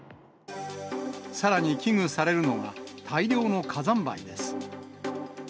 さらに危惧されるのが、大量の火山灰です。